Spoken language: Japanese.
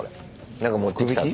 何か持ってきたぞ。